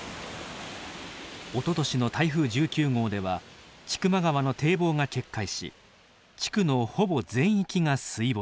おととしの台風１９号では千曲川の堤防が決壊し地区のほぼ全域が水没。